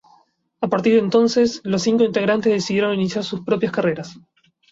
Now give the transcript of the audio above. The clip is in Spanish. A partir de entonces, los cinco integrantes decidieron iniciar sus propias carreras.